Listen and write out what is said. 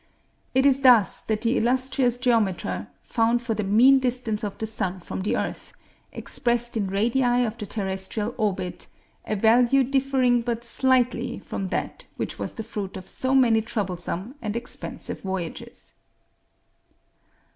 It is thus that the illustrious geometer found for the mean distance of the sun from the earth, expressed in radii of the terrestrial orbit, a value differing but slightly from that which was the fruit of so many troublesome and expensive voyages.